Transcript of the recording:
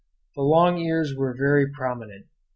Their long ears were very prominent.